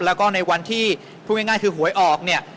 แล้วก็ในวันที่พูดง่ายคือหวยออกเนี่ย